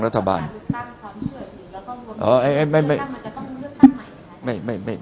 จัดตั้งรัฐบาล